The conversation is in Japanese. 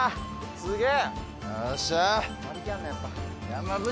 すげえ。